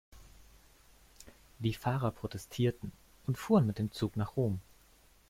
Die Fahrer protestierten und fuhren mit dem Zug nach Rom.